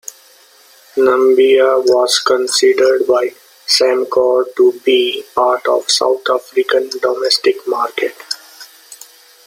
Namibia was considered by Samcor to be part of the South African domestic market.